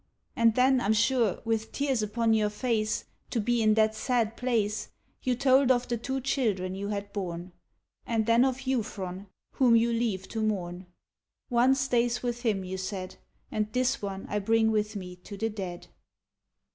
And then, I'm sure, with tears upon your face To be in that sad place. You told of the two children you had borne. VARIATIONS OF GREEK THEMES 177 And then of Euphron, whom you leave to mourn. " One stays with him," you said. And this one I bring with me to the dead."